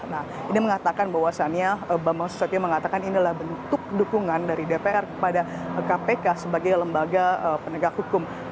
nah ini mengatakan bahwasannya bambang susatyo mengatakan ini adalah bentuk dukungan dari dpr kepada kpk sebagai lembaga penegak hukum